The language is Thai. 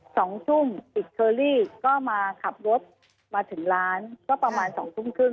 สองทุ่มติดเคอรี่ก็มาขับรถมาถึงร้านก็ประมาณสองทุ่มครึ่ง